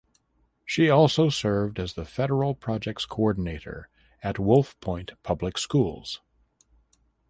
She also served as the Federal Projects Coordinator at Wolf Point Public Schools.